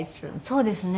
そうですね。